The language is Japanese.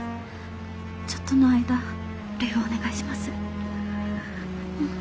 ちょっとの間るいをお願いします。